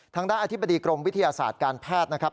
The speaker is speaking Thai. ทางด้านอธิบดีกรมวิทยาศาสตร์การแพทย์นะครับ